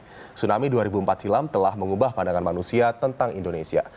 tsunami dua ribu empat silam telah mengubah pandangan manusia tentang indonesia